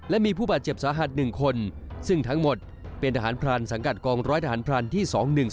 และมีผู้บาดเจ็บสาหัส๑คนซึ่งทั้งหมดเป็นทหารพรานสังกัดกองร้อยทหารพรานที่๒๑๒